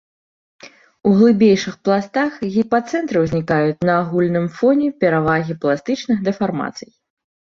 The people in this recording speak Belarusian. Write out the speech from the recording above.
У глыбейшых пластах гіпацэнтры ўзнікаюць на агульным фоне перавагі пластычных дэфармацый.